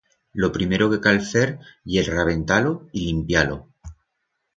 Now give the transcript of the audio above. Lo primero que cal fer ye rabentar-lo y limpiar-lo.